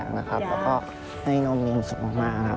อยากแล้วก็ให้น้องมีงสุขมากครับ